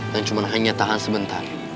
dan cuman hanya tahan sebentar